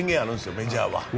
メジャーは。